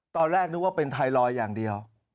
ตอนแรกนึกว่าเป็นไทรอยด์อย่างเดียว